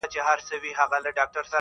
چي له دنیا نه ارمانجن راغلی یمه-